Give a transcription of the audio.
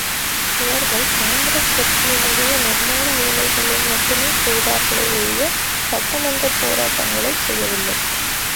இவர்கள் காங்கிரஸ் கட்சியினுடைய நிர்மாண வேலைகளை மட்டுமே செய்தார்களே ஒழிய சட்டமன்றப் போராட்டங்களைச் செய்யவில்லை.